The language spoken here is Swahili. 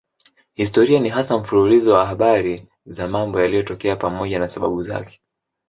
Historia ni hasa mfululizo wa habari za mambo yaliyotokea pamoja na sababu zake.